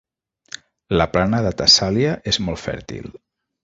La plana de Tessàlia és molt fèrtil.